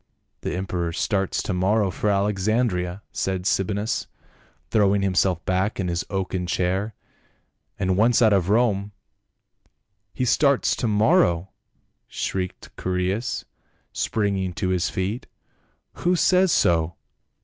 "The emperor starts to morrow for Alexandria," said Sabinus, throwing himself back in his oaken chair, " and once out of Rome —"*' He starts to morrow !" shrieked Chaereas spring ing to his feet. " Who says so